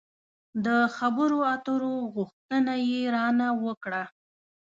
د خبرو اترو غوښتنه يې را نه وکړه.